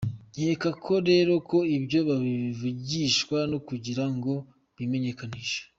Nkeka rero ko ibyo babivugishwa no kugira ngo bimenyekanishe.